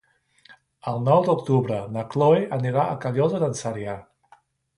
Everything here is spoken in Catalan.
El nou d'octubre na Chloé anirà a Callosa d'en Sarrià.